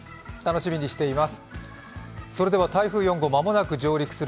楽しみにしています。